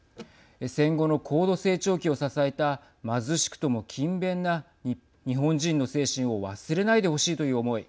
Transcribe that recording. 戦後の高度成長期を支えた貧しくとも勤勉な日本人の精神を忘れないでほしいという思い